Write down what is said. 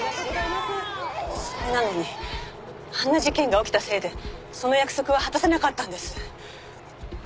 それなのにあんな事件が起きたせいでその約束は果たせなかったんです。